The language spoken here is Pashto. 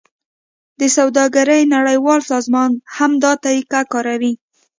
د سوداګرۍ نړیوال سازمان هم دا طریقه کاروي